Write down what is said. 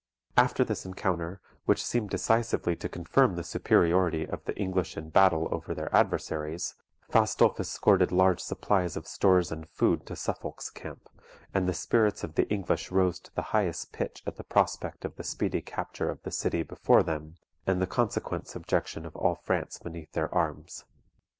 After this encounter, which seemed decisively to confirm the superiority of the English in battle over their adversaries, Fastolfe escorted large supplies of stores and food to Suffolk's camp, and the spirits of the English rose to the highest pitch at the prospect of the speedy capture of the city before them, and the consequent subjection of all France beneath their arms.